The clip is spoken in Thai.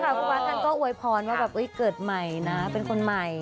ใช่ค่ะกุบาริยชาติก็โอ้ยพรวมว่าเกิดใหม่นะเป็นคนใหม่